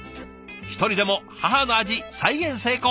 一人でも母の味再現成功。